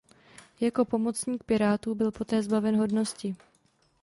Jako pomocník pirátů byl poté zbaven hodnosti.